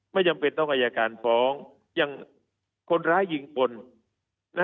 ไม่จำเป็นต้องอายการฟ้องอย่างคนร้ายยิงคน